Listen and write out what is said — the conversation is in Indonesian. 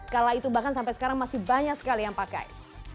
kala itu bahkan sampai sekarang masih banyak sekali yang pakai